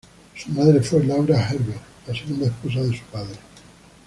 Su madre fue Laura Herbert, la segunda esposa de su padre.